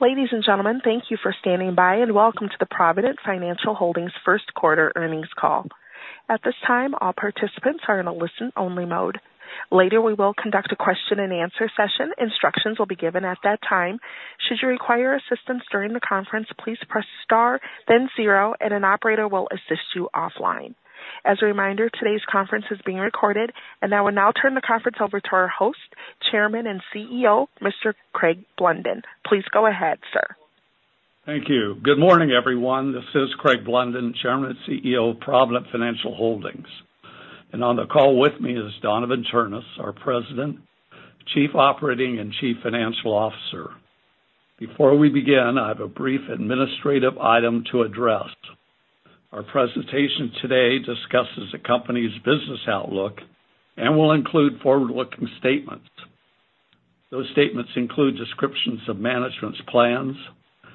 Ladies and gentlemen, thank you for standing by, and welcome to the Provident Financial Holdings First Quarter Earnings Call. At this time, all participants are in a listen-only mode. Later, we will conduct a question-and-answer session. Instructions will be given at that time. Should you require assistance during the conference, please press star, then zero, and an operator will assist you offline. As a reminder, today's conference is being recorded, and I will now turn the conference over to our host, Chairman and CEO, Mr. Craig Blunden. Please go ahead, sir. Thank you. Good morning, everyone. This is Craig Blunden, Chairman and CEO of Provident Financial Holdings. On the call with me is Donavon Ternes, our President, Chief Operating and Chief Financial Officer. Before we begin, I have a brief administrative item to address. Our presentation today discusses the company's business outlook and will include forward-looking statements. Those statements include descriptions of management's plans,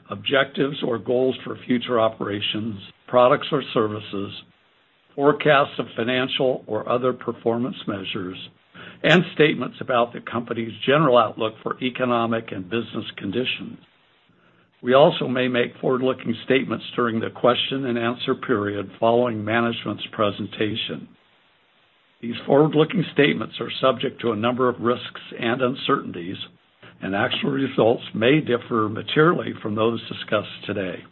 objectives, or goals for future operations, products or services, forecasts of financial or other performance measures, and statements about the company's general outlook for economic and business conditions. We also may make forward-looking statements during the question-and-answer period following management's presentation. These forward-looking statements are subject to a number of risks and uncertainties, and actual results may differ materially from those discussed today.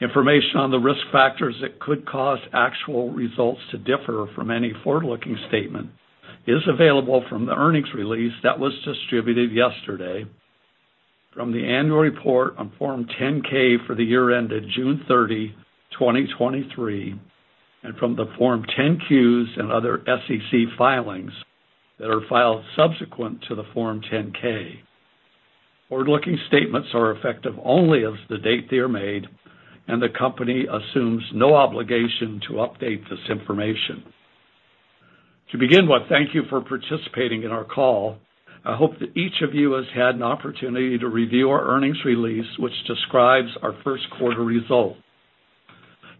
Information on the risk factors that could cause actual results to differ from any forward-looking statement is available from the earnings release that was distributed yesterday, from the annual report on Form 10-K for the year ended June 30, 2023, and from the Form 10-Qs and other SEC filings that are filed subsequent to the Form 10-K. Forward-looking statements are effective only as the date they are made, and the company assumes no obligation to update this information. To begin with, thank you for participating in our call. I hope that each of you has had an opportunity to review our earnings release, which describes our first quarter results.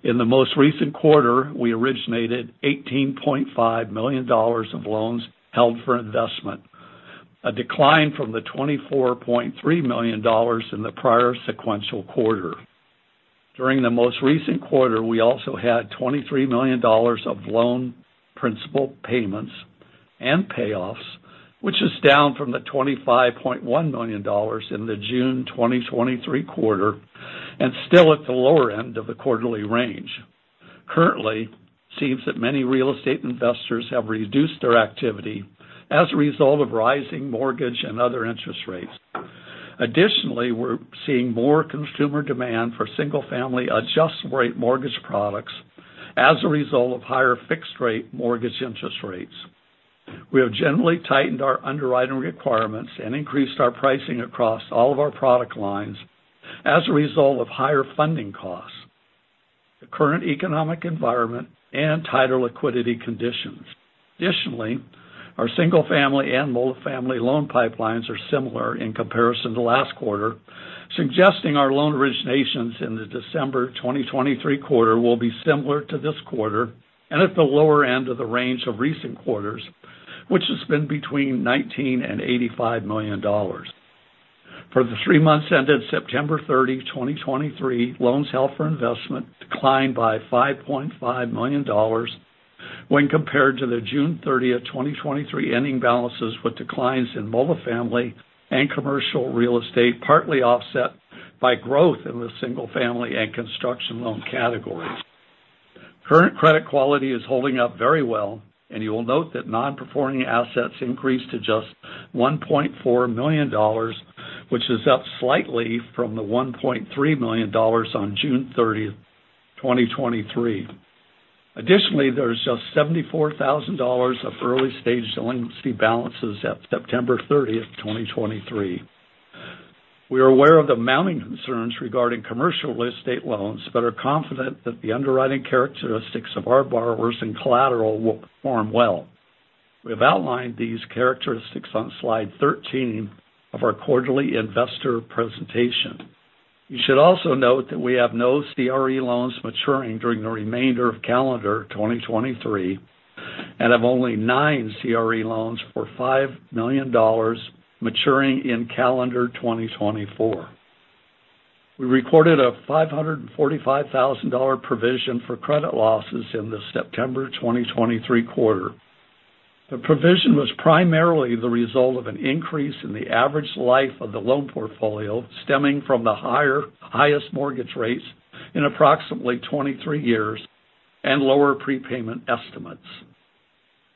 In the most recent quarter, we originated $18.5 million of loans held for investment, a decline from the $24.3 million in the prior sequential quarter. During the most recent quarter, we also had $23 million of loan principal payments and payoffs, which is down from the $25.1 million in the June 2023 quarter and still at the lower end of the quarterly range. Currently, it seems that many real estate investors have reduced their activity as a result of rising mortgage and other interest rates. Additionally, we're seeing more consumer demand for single-family adjustable-rate mortgage products as a result of higher fixed-rate mortgage interest rates. We have generally tightened our underwriting requirements and increased our pricing across all of our product lines as a result of higher funding costs, the current economic environment, and tighter liquidity conditions. Additionally, our single-family and multifamily loan pipelines are similar in comparison to last quarter, suggesting our loan originations in the December 2023 quarter will be similar to this quarter and at the lower end of the range of recent quarters, which has been between $19 million-$85 million. For the three months ended September 30, 2023, loans held for investment declined by $5.5 million when compared to the June 30, 2023, ending balances, with declines in multifamily and commercial real estate, partly offset by growth in the single-family and construction loan categories. Current credit quality is holding up very well, and you will note that non-performing assets increased to just $1.4 million, which is up slightly from the $1.3 million on June 30, 2023. Additionally, there's just $74,000 of early-stage delinquency balances at September 30th, 2023. We are aware of the mounting concerns regarding commercial real estate loans, but are confident that the underwriting characteristics of our borrowers and collateral will perform well. We have outlined these characteristics on slide 13 of our quarterly investor presentation. You should also note that we have no CRE loans maturing during the remainder of calendar 2023, and have only nine CRE loans for $5 million maturing in calendar 2024. We recorded a $545,000 provision for credit losses in the September 2023 quarter. The provision was primarily the result of an increase in the average life of the loan portfolio, stemming from the highest mortgage rates in approximately 23 years and lower prepayment estimates.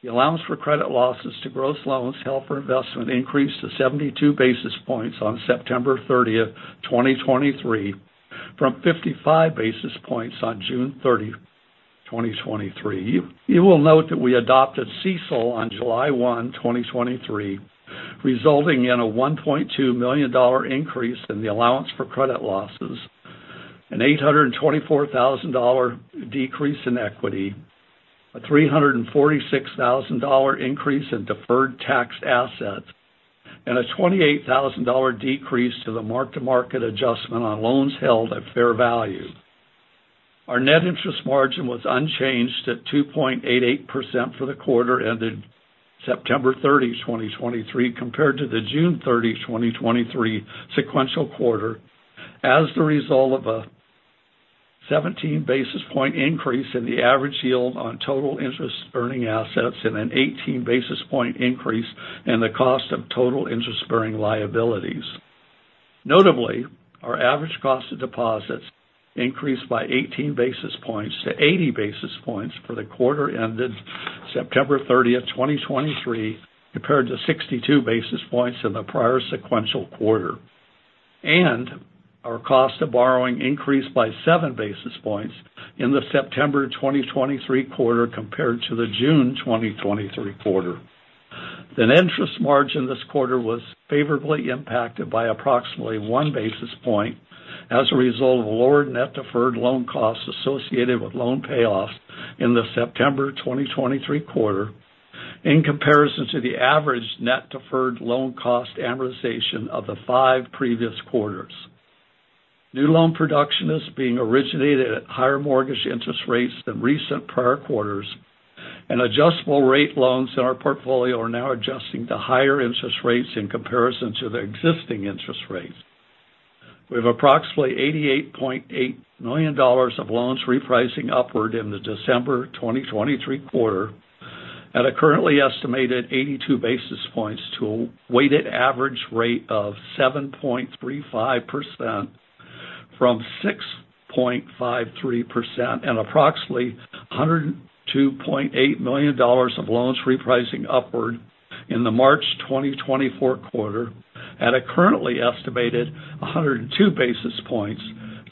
The allowance for credit losses to gross loans held for investment increased to 72 basis points on September 30, 2023, from 55 basis points on June 30, 2023. You will note that we adopted CECL on July 1, 2023, resulting in a $1.2 million increase in the allowance for credit losses, an $824,000 decrease in equity, a $346,000 increase in deferred tax assets, and a $28,000 decrease to the mark-to-market adjustment on loans held at fair value. Our net interest margin was unchanged at 2.88% for the quarter ended September 30, 2023, compared to the June 30, 2023 sequential quarter, as the result of a 17 basis point increase in the average yield on total interest earning assets and an 18 basis point increase in the cost of total interest bearing liabilities. Notably, our average cost of deposits increased by 18 basis points to 80 basis points for the quarter ended September 30, 2023, compared to 62 basis points in the prior sequential quarter. Our cost of borrowing increased by 7 basis points in the September 2023 quarter compared to the June 2023 quarter. Interest margin this quarter was favorably impacted by approximately 1 basis point as a result of lower net deferred loan costs associated with loan payoffs in the September 2023 quarter, in comparison to the average net deferred loan cost amortization of the 5 previous quarters. New loan production is being originated at higher mortgage interest rates than recent prior quarters, and adjustable-rate loans in our portfolio are now adjusting to higher interest rates in comparison to the existing interest rates. We have approximately $88.8 million of loans repricing upward in the December 2023 quarter at a currently estimated 82 basis points to a weighted average rate of 7.35% from 6.53%, and approximately $102.8 million of loans repricing upward in the March 2024 quarter at a currently estimated 102 basis points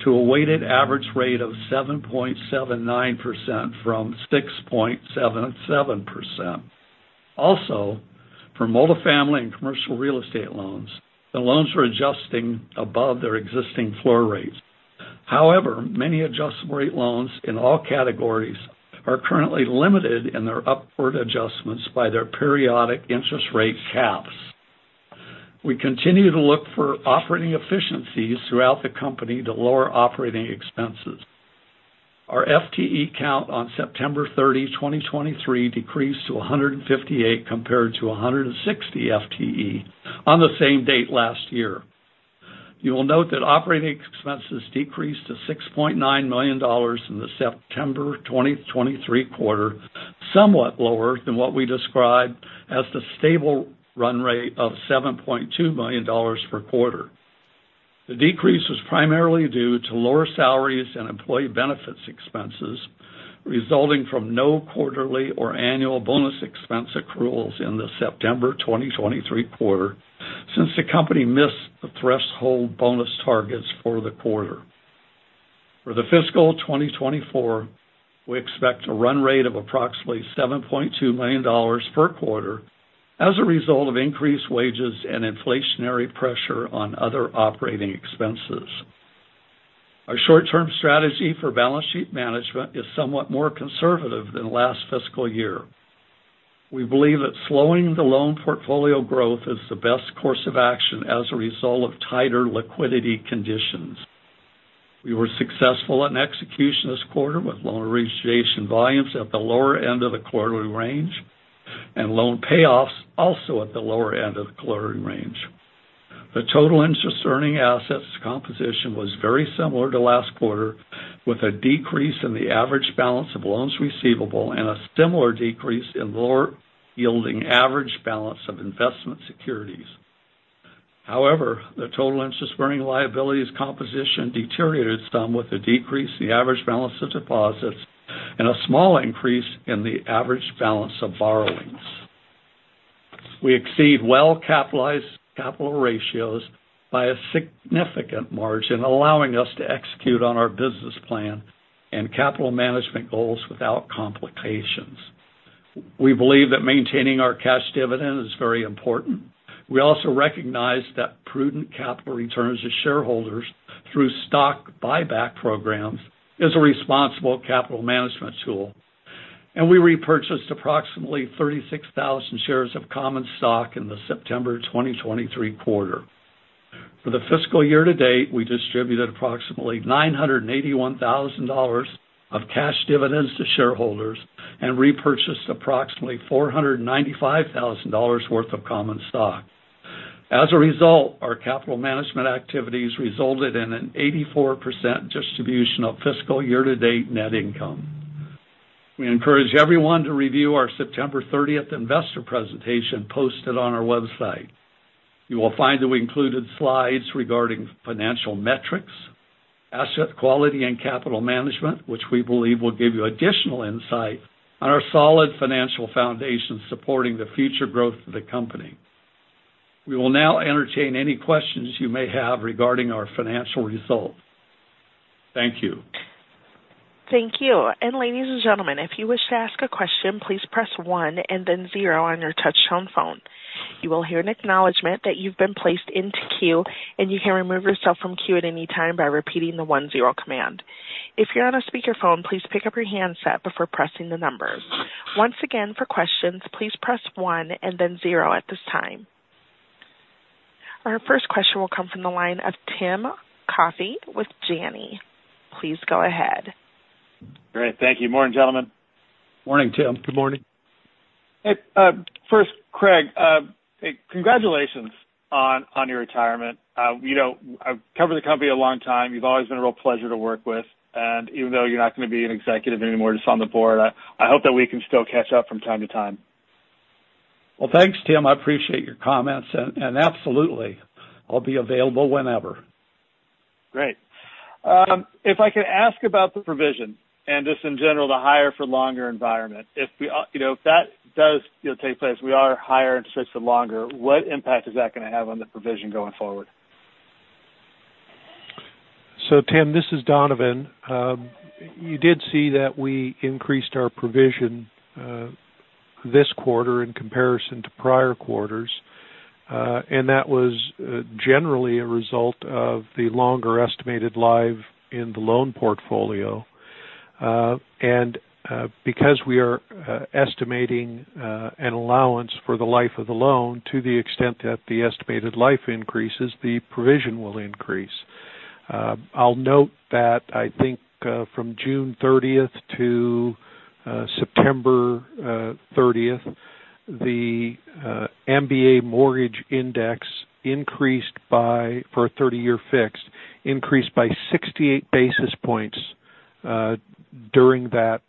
to a weighted average rate of 7.79% from 6.77%. Also, for multifamily and commercial real estate loans, the loans are adjusting above their existing floor rates. However, many adjustable-rate loans in all categories are currently limited in their upward adjustments by their periodic interest rate caps. We continue to look for operating efficiencies throughout the company to lower operating expenses. Our FTE count on September 30, 2023, decreased to 158, compared to 160 FTE on the same date last year. You will note that operating expenses decreased to $6.9 million in the September 2023 quarter, somewhat lower than what we described as the stable run rate of $7.2 million per quarter. The decrease was primarily due to lower salaries and employee benefits expenses, resulting from no quarterly or annual bonus expense accruals in the September 2023 quarter, since the company missed the threshold bonus targets for the quarter. For the fiscal 2024, we expect a run rate of approximately $7.2 million per quarter as a result of increased wages and inflationary pressure on other operating expenses. Our short-term strategy for balance sheet management is somewhat more conservative than last fiscal year. We believe that slowing the loan portfolio growth is the best course of action as a result of tighter liquidity conditions. We were successful in execution this quarter with loan origination volumes at the lower end of the quarterly range, and loan payoffs also at the lower end of the quarterly range. The total interest earning assets composition was very similar to last quarter, with a decrease in the average balance of loans receivable and a similar decrease in lower yielding average balance of investment securities. However, the total interest earning liabilities composition deteriorated some with a decrease in the average balance of deposits and a small increase in the average balance of borrowings. We exceed well-capitalized capital ratios by a significant margin, allowing us to execute on our business plan and capital management goals without complications. We believe that maintaining our cash dividend is very important. We also recognize that prudent capital returns to shareholders through stock buyback programs is a responsible capital management tool, and we repurchased approximately 36,000 shares of common stock in the September 2023 quarter. For the fiscal year to date, we distributed approximately $981,000 of cash dividends to shareholders and repurchased approximately $495,000 worth of common stock. As a result, our capital management activities resulted in an 84% distribution of fiscal year-to-date net income. We encourage everyone to review our September 30 investor presentation posted on our website. You will find that we included slides regarding financial metrics, asset quality, and capital management, which we believe will give you additional insight on our solid financial foundation supporting the future growth of the company. We will now entertain any questions you may have regarding our financial results. Thank you. Thank you. Ladies and gentlemen, if you wish to ask a question, please press one and then zero on your touchtone phone. You will hear an acknowledgment that you've been placed into queue, and you can remove yourself from queue at any time by repeating the one-zero command. If you're on a speakerphone, please pick up your handset before pressing the numbers. Once again, for questions, please press one and then zero at this time. Our first question will come from the line of Tim Coffey with Janney. Please go ahead. Great, thank you. Morning, gentlemen. Morning, Tim. Good morning. Hey, first, Craig, hey, congratulations on your retirement. You know, I've covered the company a long time. You've always been a real pleasure to work with, and even though you're not gonna be an executive anymore, just on the board, I hope that we can still catch up from time to time. Well, thanks, Tim. I appreciate your comments, and absolutely. I'll be available whenever. Great. If I could ask about the provision and just in general, the higher for longer environment, if we, you know, if that does, you know, take place, we are higher interest for longer, what impact is that gonna have on the provision going forward? So Tim, this is Donavon. You did see that we increased our provision this quarter in comparison to prior quarters. And that was generally a result of the longer estimated life in the loan portfolio. And because we are estimating an allowance for the life of the loan, to the extent that the estimated life increases, the provision will increase. I'll note that I think from June thirtieth to September thirtieth, the MBA mortgage index increased by, for a 30-year fixed, increased by 68 basis points during that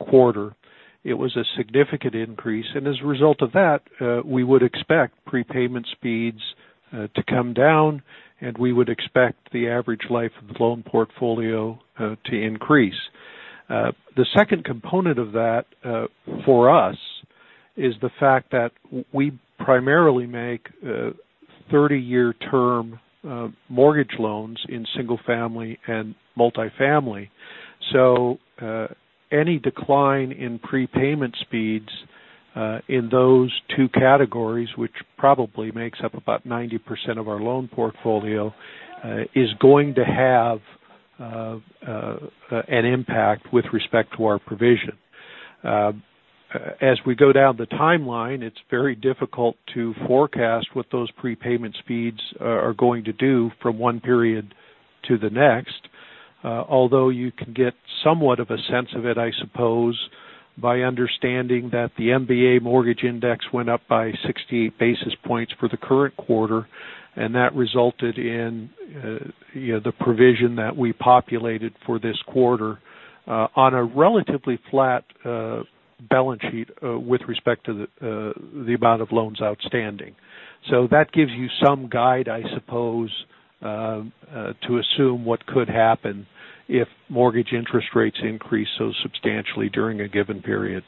quarter. It was a significant increase, and as a result of that, we would expect prepayment speeds to come down, and we would expect the average life of the loan portfolio to increase. The second component of that, for us, is the fact that we primarily make 30-year term mortgage loans in single-family and multifamily. So, any decline in prepayment speeds in those two categories, which probably makes up about 90% of our loan portfolio, is going to have an impact with respect to our provision. As we go down the timeline, it's very difficult to forecast what those prepayment speeds are going to do from one period to the next. Although you can get somewhat of a sense of it, I suppose, by understanding that the MBA mortgage index went up by 68 basis points for the current quarter, and that resulted in, you know, the provision that we populated for this quarter, on a relatively flat balance sheet, with respect to the amount of loans outstanding. So that gives you some guide, I suppose, to assume what could happen if mortgage interest rates increase so substantially during a given period.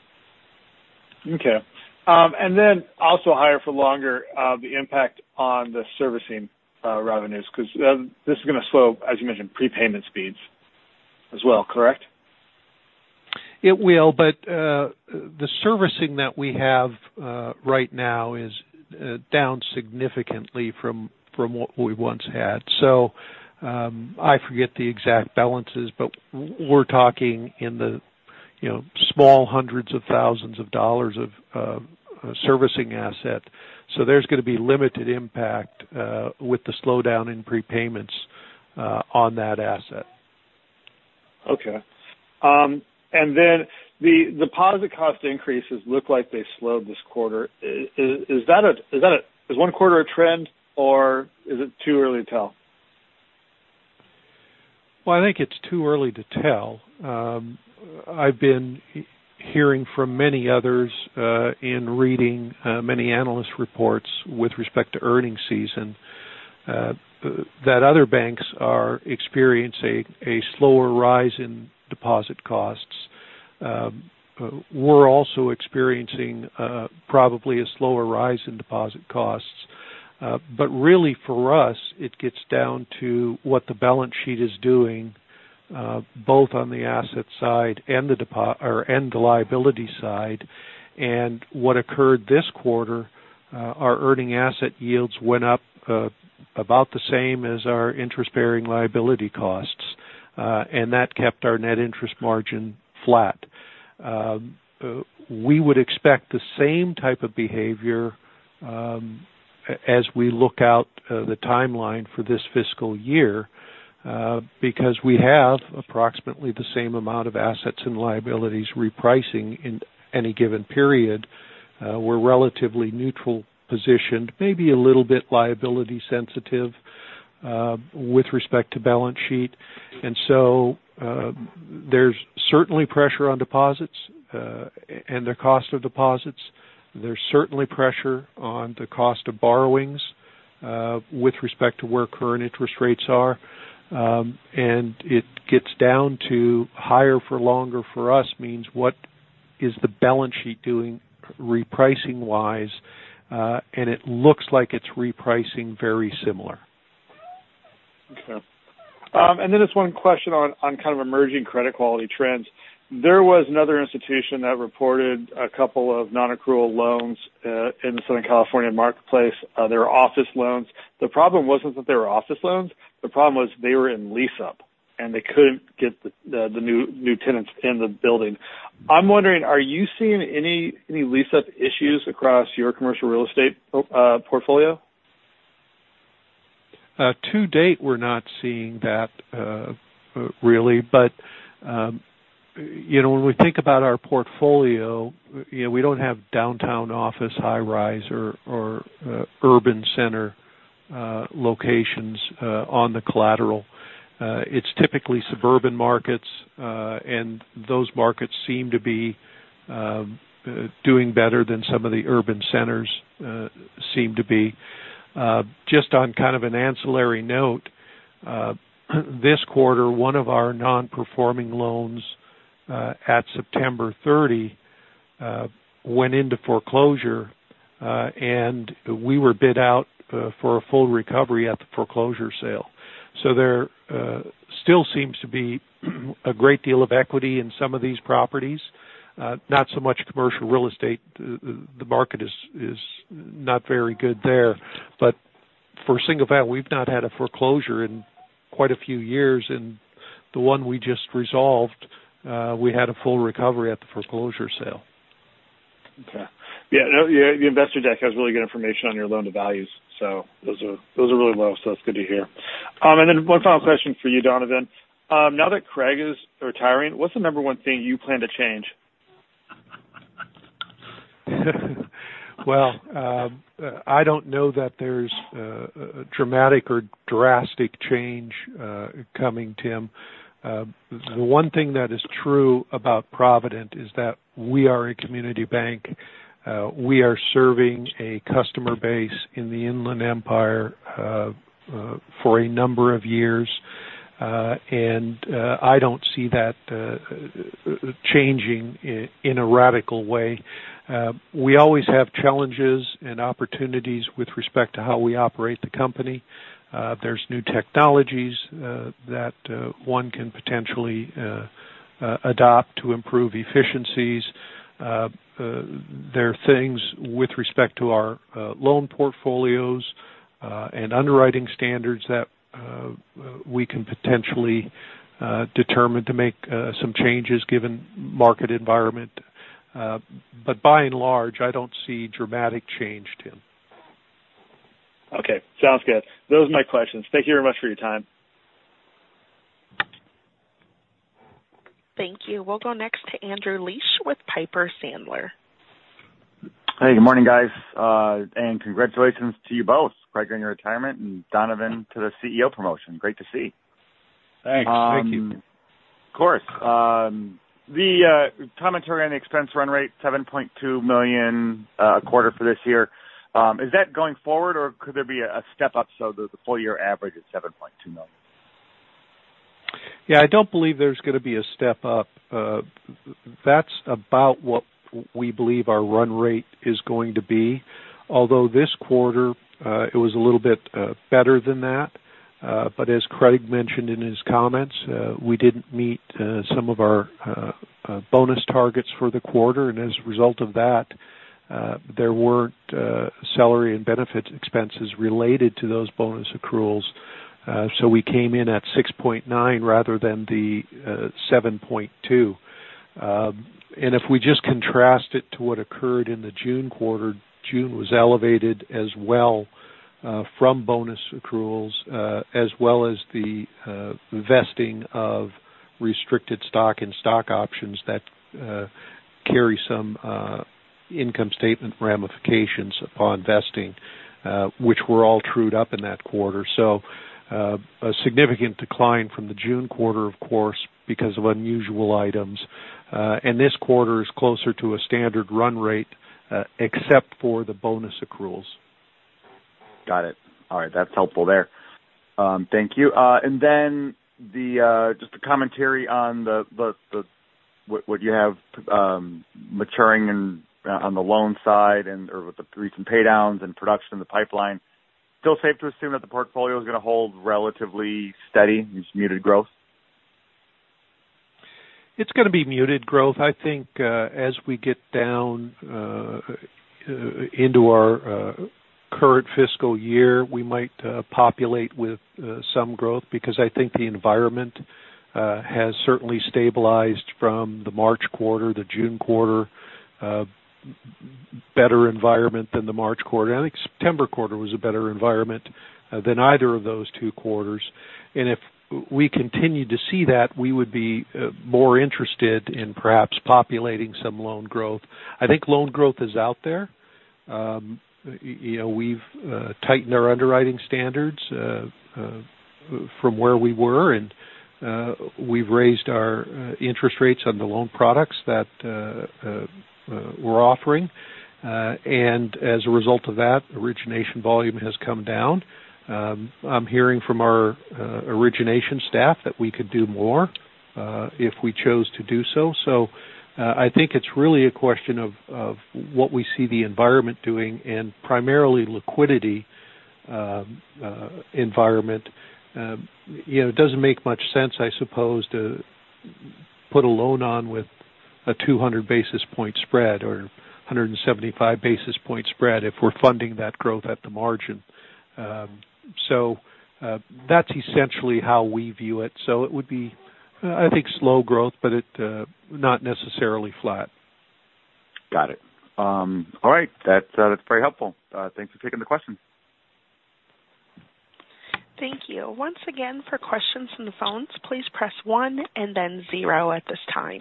Okay. And then also higher for longer, the impact on the servicing revenues, 'cause this is gonna slow, as you mentioned, prepayment speeds as well, correct? It will, but the servicing that we have right now is down significantly from what we once had. So, I forget the exact balances, but we're talking in the, you know, small hundreds of thousands of dollars of servicing asset. So there's gonna be limited impact with the slowdown in prepayments on that asset. Okay. And then the deposit cost increases look like they slowed this quarter. Is one quarter a trend or is it too early to tell? Well, I think it's too early to tell. I've been hearing from many others, in reading, many analyst reports with respect to earnings season, that other banks are experiencing a slower rise in deposit costs. We're also experiencing, probably a slower rise in deposit costs. But really, for us, it gets down to what the balance sheet is doing, both on the asset side and the liability side. And what occurred this quarter, our earning asset yields went up, about the same as our interest-bearing liability costs, and that kept our net interest margin flat. We would expect the same type of behavior, as we look out the timeline for this fiscal year, because we have approximately the same amount of assets and liabilities repricing in any given period. We're relatively neutral positioned, maybe a little bit liability sensitive, with respect to balance sheet. And so, there's certainly pressure on deposits, and the cost of deposits. There's certainly pressure on the cost of borrowings, with respect to where current interest rates are. And it gets down to higher for longer for us, means what is the balance sheet doing repricing-wise? And it looks like it's repricing very similar. Okay. And then just one question on kind of emerging credit quality trends. There was another institution that reported a couple of non-accrual loans in the Southern California marketplace. They were office loans. The problem wasn't that they were office loans, the problem was they were in lease-up, and they couldn't get the new tenants in the building. I'm wondering, are you seeing any lease-up issues across your commercial real estate portfolio? To date, we're not seeing that, really. But, you know, when we think about our portfolio, you know, we don't have downtown office, high-rise or urban center locations on the collateral. It's typically suburban markets, and those markets seem to be doing better than some of the urban centers, seem to be. Just on kind of an ancillary note, this quarter, one of our non-performing loans at September thirty went into foreclosure, and we were bid out for a full recovery at the foreclosure sale. So there still seems to be a great deal of equity in some of these properties. Not so much commercial real estate. The market is not very good there. But for single-family, we've not had a foreclosure in quite a few years, and the one we just resolved, we had a full recovery at the foreclosure sale. Okay. Yeah, the investor deck has really good information on your loan-to-values, so those are, those are really low, so it's good to hear. And then one final question for you, Donavon. Now that Craig is retiring, what's the number one thing you plan to change? Well, I don't know that there's a dramatic or drastic change coming, Tim. The one thing that is true about Provident is that we are a community bank. We are serving a customer base in the Inland Empire for a number of years. I don't see that changing in a radical way. We always have challenges and opportunities with respect to how we operate the company. There's new technologies that one can potentially adopt to improve efficiencies. There are things with respect to our loan portfolios and underwriting standards that we can potentially determine to make some changes given market environment. But by and large, I don't see dramatic change, Tim. Okay, sounds good. Those are my questions. Thank you very much for your time. Thank you. We'll go next to Andrew Liesch with Piper Sandler. Hey, good morning, guys, and congratulations to you both, Craig, on your retirement, and Donavon, to the CEO promotion. Great to see. Thanks. Thank you. Of course. The commentary on the expense run rate, $7.2 million quarter for this year. Is that going forward, or could there be a step up, so the full year average is $7.2 million? Yeah, I don't believe there's going to be a step up. That's about what we believe our run rate is going to be. Although this quarter, it was a little bit better than that. But as Craig mentioned in his comments, we didn't meet some of our bonus targets for the quarter, and as a result of that, there weren't salary and benefits expenses related to those bonus accruals. So we came in at 6.9 rather than the 7.2. And if we just contrast it to what occurred in the June quarter, June was elevated as well from bonus accruals, as well as the vesting of restricted stock and stock options that carry some income statement ramifications upon vesting, which were all trued up in that quarter. A significant decline from the June quarter, of course, because of unusual items. This quarter is closer to a standard run rate, except for the bonus accruals. Got it. All right. That's helpful there. Thank you. And then just a commentary on the what you have maturing and on the loan side and or the recent paydowns and production in the pipeline. Still safe to assume that the portfolio is going to hold relatively steady, just muted growth? It's going to be muted growth. I think, as we get down into our current fiscal year, we might populate with some growth because I think the environment has certainly stabilized from the March quarter. The June quarter, better environment than the March quarter. I think September quarter was a better environment than either of those two quarters. And if we continue to see that, we would be more interested in perhaps populating some loan growth. I think loan growth is out there. You know, we've tightened our underwriting standards from where we were, and we've raised our interest rates on the loan products that we're offering. And as a result of that, origination volume has come down. I'm hearing from our, origination staff that we could do more, if we chose to do so. So, I think it's really a question of what we see the environment doing and primarily liquidity, environment. You know, it doesn't make much sense, I suppose, to put a loan on with a 200 basis point spread or a 175 basis point spread, if we're funding that growth at the margin. So, that's essentially how we view it. So it would be, I think, slow growth, but it, not necessarily flat. Got it. All right. That's, that's very helpful. Thanks for taking the question. Thank you. Once again, for questions from the phones, please press one and then zero at this time.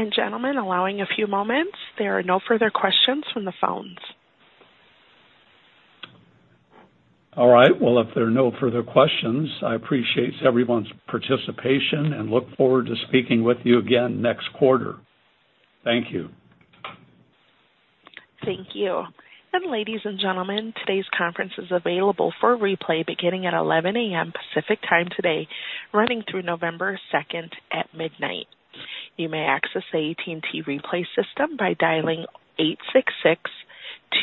And gentlemen, allowing a few moments. There are no further questions from the phones. All right. Well, if there are no further questions, I appreciate everyone's participation and look forward to speaking with you again next quarter. Thank you. Thank you. Ladies and gentlemen, today's conference is available for replay beginning at 11:00 A.M. Pacific Time today, running through November 2 at midnight. You may access the AT&T replay system by dialing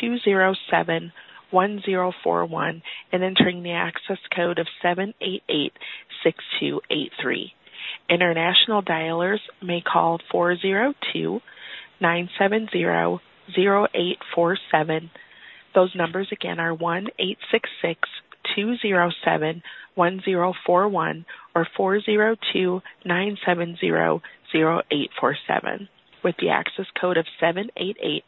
866-207-1041 and entering the access code of 7886283. International dialers may call 402-970-0847. Those numbers again are 1-866-207-1041 or 402-970-0847, with the access code of 7886283.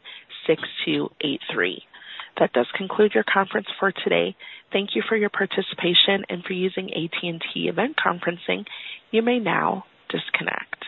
That does conclude your conference for today. Thank you for your participation and for using AT&T event conferencing. You may now disconnect.